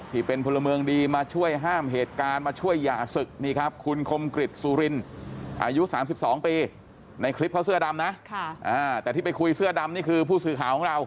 ที่เป็นพลเมืองดีมาช่วยห้ามเหตุการณ์มาช่วยหย่าศึก